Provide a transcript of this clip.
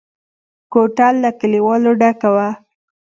کوټه له کليوالو ډکه وه.